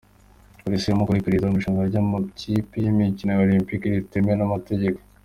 Polisi iramukoraho iperereza ku igurusha ry'amatike y'imikino ya olimpike ritemewe n'amategeko.